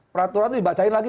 peraturan itu dibacain lagi